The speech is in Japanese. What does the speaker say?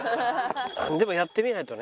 でもやってみないとね。